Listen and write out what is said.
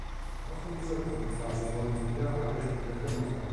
Auch in dieser Gruppenphase wurden wieder alle Spiele verloren.